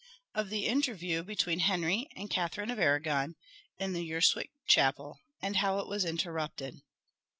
Of the Interview between Henry and Catherine of Arragon in the Urswick Chapel And how it was interrupted.